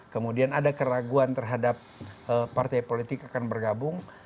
kemudian ada keraguan terhadap partai politik akan bergabung